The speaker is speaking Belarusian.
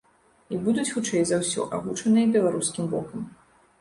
І будуць хутчэй за ўсё агучаныя беларускім бокам.